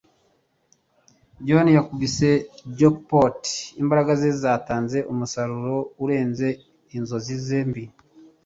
john yakubise jackpot. imbaraga ze zatanze umusaruro urenze inzozi ze mbi